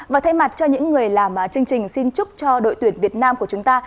và thay mặt cho những người làm chương trình xin chúc cho đội tuyển việt nam của chúng ta